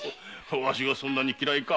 ワシがそんなに嫌いか？